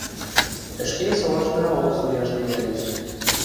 ӹшке солаштынаок суяш тӹнгӓлеш.